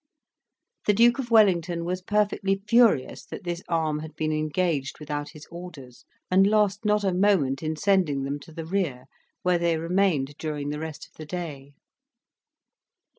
The Duke of Wellington was perfectly furious that this arm had been engaged without his orders, and lost not a moment in sending them to the rear, where they remained during the rest of the day.